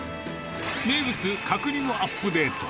名物、角煮のアップデート。